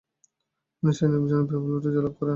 তিনি সে নির্বাচনেও বিপুল ভোটে জয়লাভ করেন।